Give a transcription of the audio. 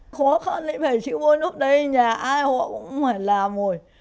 khó khăn thì phải chỉ bôi lúc đấy nhà ai họ cũng phải làm